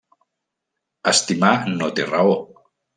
Estimar no té raó.